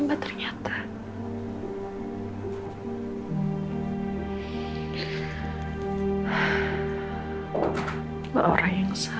tidak hanya dari emergencies